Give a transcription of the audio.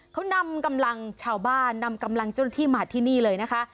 เขานำกำลังชาวบ้านนำกำลังเจ้าหน้าที่มาที่นี่เลยนะคะ